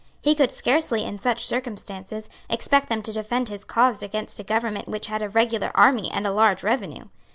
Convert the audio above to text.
He could scarcely, in such circumstances, expect them to defend his cause against a government which had a regular army and a large revenue.